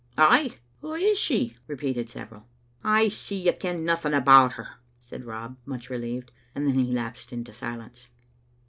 "Ay, wha is she?" repeated several. "I see you ken nothing about her," said Rob, much relieved ; and he then lapsed into silence.